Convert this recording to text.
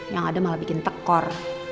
yang ada malah bikin tekor